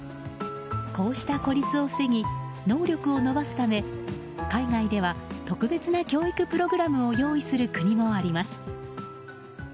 こうした孤立を防ぎ能力を伸ばすため海外では特別な教育プログラムを用意する国もあります。